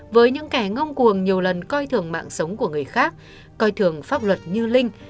với những kẻ ngông cuồng nhiều lần coi thường mạng sống của người khác coi thường pháp luật như linh